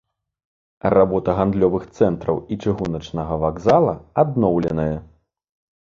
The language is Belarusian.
Работа гандлёвых цэнтраў і чыгуначнага вакзала адноўленая.